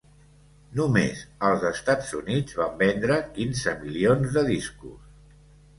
Només als Estats Units van vendre quinze milions de discos.